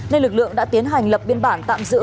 nên lực lượng đã tiến hành lập biên bản tạm giữ